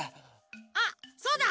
あっそうだ！